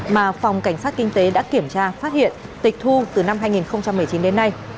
mà phòng cảnh sát kinh tế đã kiểm tra phát hiện tịch thu từ năm hai nghìn một mươi chín đến nay